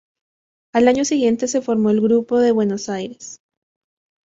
Al año siguiente se formó el grupo de Buenos Aires.